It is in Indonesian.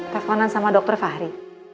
teleponan sama dokter fahri